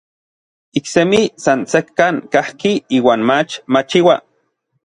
Iksemi san sekkan kajki iuan mach machiua.